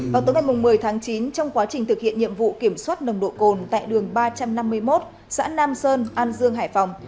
vào tối ngày một mươi tháng chín trong quá trình thực hiện nhiệm vụ kiểm soát nồng độ cồn tại đường ba trăm năm mươi một xã nam sơn an dương hải phòng